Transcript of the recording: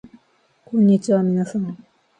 こんにちはみなさん